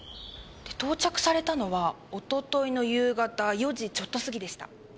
到着されたのはおとといの夕方４時ちょっとすぎでした。